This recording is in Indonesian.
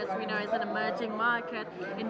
seperti yang kita tahu adalah pasar yang berkembang